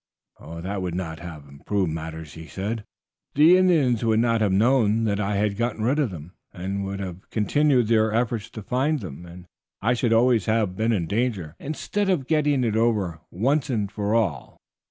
"That would not have improved matters," he said; "the Indians would not have known that I had got rid of them, and would have continued their efforts to find them, and I should always have been in danger instead of getting it over once for all.